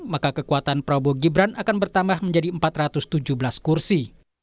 maka kekuatan prabowo gibran akan bertambah menjadi empat ratus tujuh belas kursi